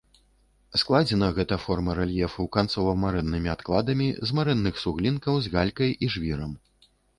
Складзена гэта форма рэльефу канцова-марэннымі адкладамі з марэнных суглінкаў з галькай і жвірам.